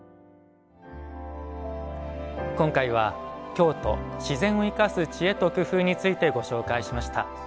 今回は「京都自然を生かす知恵と工夫」についてご紹介しました。